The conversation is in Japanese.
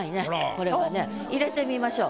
これはね。入れてみましょう。